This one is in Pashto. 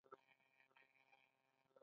رزمي لوبې د دفاع لپاره زده کیږي.